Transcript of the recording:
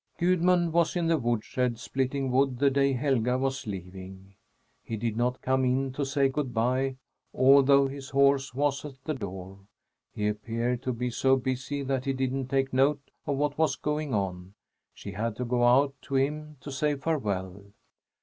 Gudmund was in the woodshed splitting wood the day Helga was leaving. He did not come in to say good bye, although his horse was at the door. He appeared to be so busy that he didn't take note of what was going on. She had to go out to him to say farewell.